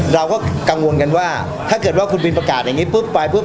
เราก็กังวลกันว่าถ้าเกิดว่าคุณบินประกาศอย่างนี้ปุ๊บไปปุ๊บ